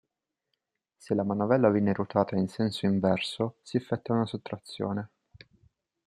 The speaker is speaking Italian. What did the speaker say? Se la manovella viene ruotata in senso inverso, si effettua una sottrazione.